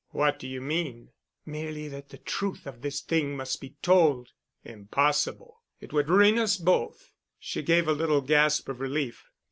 "What do you mean?" "Merely that the truth of this thing must be told." "Impossible. It would ruin us both." She gave a little gasp of relief.